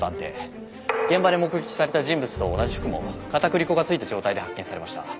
現場で目撃された人物と同じ服も片栗粉が付いた状態で発見されました。